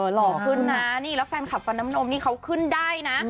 หล่อขึ้นนะนี่แล้วแฟนคลับฟันน้ำนมนี่เขาขึ้นได้นะ